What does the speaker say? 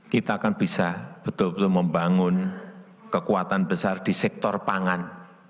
kita akan bisa betul betul membangun kekuatan besar di sektor pangan